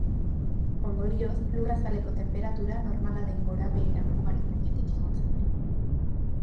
Ondorioz, lur-azaleko tenperatura, normala den gorabehera mugaren gainetik igotzen da.